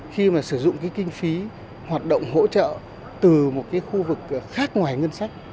khi mà sử dụng cái kinh phí hoạt động hỗ trợ từ một cái khu vực khác ngoài ngân sách